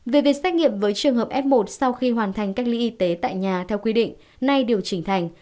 về việc xét nghiệm với trường hợp f một sau khi hoàn thành cách ly y tế tại nhà theo quy định nay điều chỉnh thành